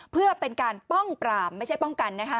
เพื่อเป็นการป้องปรามไม่ใช่ป้องกันนะคะ